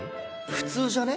普通じゃね？